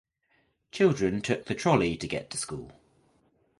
Children took the trolley to get to school.